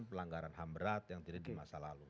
pelanggaran ham berat yang terjadi di masa lalu